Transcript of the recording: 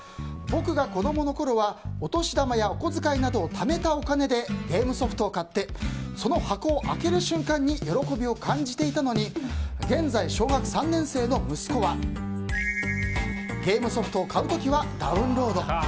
僕が子供のころはお年玉やお小遣いなどをためたお金でゲームソフトを買ってその箱を開ける瞬間に喜びを感じていたのに現在、小学３年生の息子はゲームソフトを買う時はダウンロード。